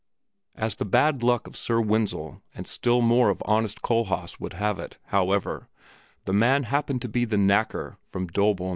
As the bad luck of Sir Wenzel and still more of honest Kohlhaas would have it, however, the man happened to be the knacker from Döbeln.